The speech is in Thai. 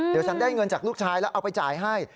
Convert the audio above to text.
เดี๋ยวฉันได้เงินจากลูกชายแล้วเอาไปจ่ายให้